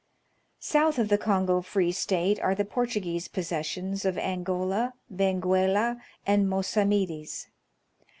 South of the Kongo Free State are the Portugese possessions of Angola, Benguela, and Mossamedes.